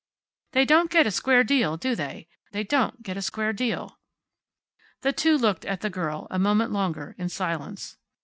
"They don't get a square deal, do they? They don't get a square deal." The two looked at the girl a moment longer, in silence.